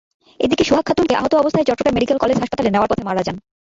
এদিকে, সোহাগ খাতুনকে আহত অবস্থায় চট্টগ্রাম মেডিকেল কলেজ হাসপাতালে নেওয়ার পথে মারা যান।